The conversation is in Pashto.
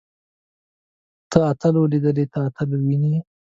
تۀ اتل وليدلې. ته اتل وينې؟